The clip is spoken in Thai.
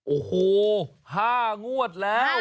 โอ้โห๕งวดแล้ว